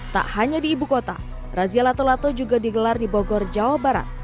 tak hanya di ibu kota razia lato lato juga digelar di bogor jawa barat